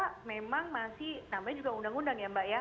karena memang masih namanya juga undang undang ya mbak ya